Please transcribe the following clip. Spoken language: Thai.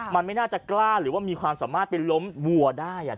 มันไม่น่าจะกล้าหรือว่ามีความสามารถไปล้มวัวได้